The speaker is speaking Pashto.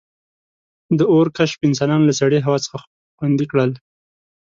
• د اور کشف انسانان له سړې هوا څخه خوندي کړل.